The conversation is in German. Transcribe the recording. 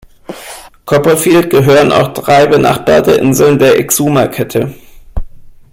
Copperfield gehören auch drei benachbarte Inseln der Exuma-Kette.